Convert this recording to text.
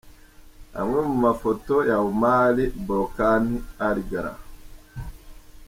Amwe mu mafoto ya Omar Borkan Al Gala.